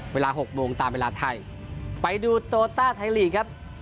เวลา๖โมงตามเวลาไทยไปดูโตต้าไทยลีกครับ